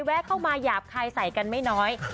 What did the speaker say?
เข้ามาหยาบคายใส่กันไม่น้อย